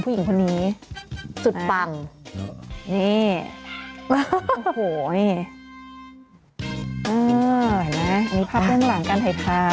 ผู้หญิงคนนี้สุดปังนี่โอ้โหเห็นไหมอันนี้ภาพด้านหลังการถ่ายทำ